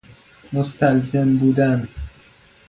مستلزم بودن